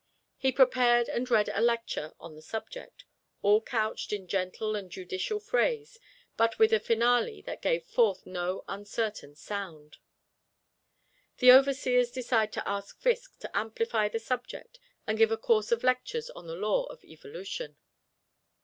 He prepared and read a lecture on the subject, all couched in gentle and judicial phrase, but with a finale that gave forth no uncertain sound. The Overseers decided to ask Fiske to amplify the subject and give a course of lectures on the Law of Evolution.